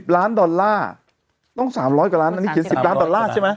ล้านดอลลาร์ต้อง๓๐๐กว่าล้านอันนี้เขียน๑๐ล้านดอลลาร์ใช่ไหม